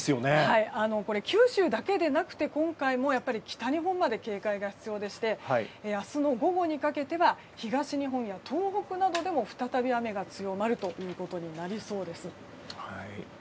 これ九州だけでなくて今回も北日本まで警戒が必要でして明日の午後にかけては東日本や東北などでも再び雨が強まることになりそうです。